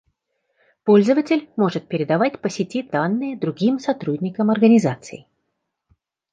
Пользователь может передавать по сети данные другим сотрудникам организации